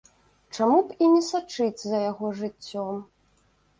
Чаму б і не сачыць за яго жыццём?